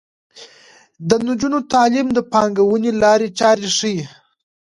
د نجونو تعلیم د پانګونې لارې چارې ښيي.